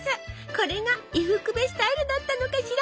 これが伊福部スタイルだったのかしら。